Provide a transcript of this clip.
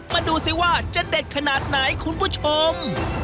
มาดูซิว่าจะเด็ดขนาดไหนคุณผู้ชม